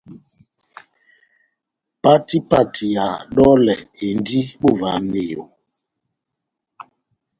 Pati pati ya dolɛ endi bovahaniyo.